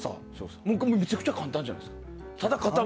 めちゃくちゃ簡単じゃないですか？